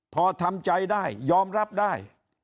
พอทำใจได้ยอมรับได้